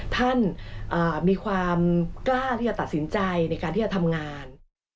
ท่านมีความกล้าที่จะตัดสินใจในการที่จะทำงาน